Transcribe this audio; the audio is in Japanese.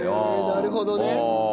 なるほどね。